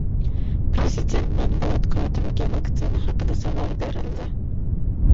Prezident matbuot kotibiga vaktsina haqida savol berildi